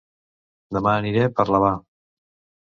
Dema aniré a Parlavà